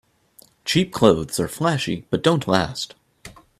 Cheap clothes are flashy but don't last.